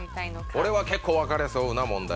これは結構分かれそうな問題。